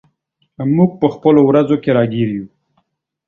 موږ په خپلو ورځو کې راګیر یو.